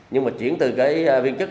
nhưng mà chuyển từ viên chức